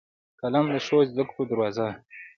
قلم د ښو زدهکړو دروازه ده